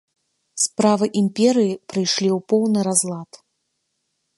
Справы імперыі прыйшлі ў поўны разлад.